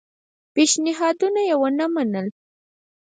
پېشنهادونه یې ونه منل.